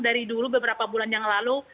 dari dulu beberapa bulan yang lalu